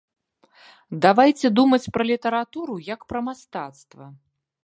Давайце думаць пра літаратуру як пра мастацтва.